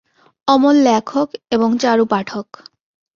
অমল লেখক এবং চারু পাঠক।